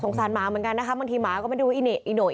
สงสารหมาเหมือนกันนะคะบางทีหมาก็ไม่ดูอิโนะอิโนะ